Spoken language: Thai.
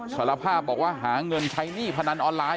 สารภาพบอกว่าหาเงินใช้หนี้พนันออนไลน